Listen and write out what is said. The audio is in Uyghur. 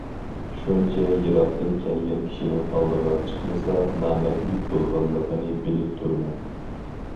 شۇنچە يىراقتىن كەلگەن كىشىنىڭ ئالدىغا چىقمىسا نامەردلىك بولىدىغانلىقىنى بىلىپ تۇرىمەن.